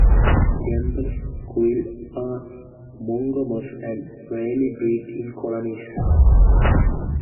Gambel's quail are monogamous and rarely breed in colonies.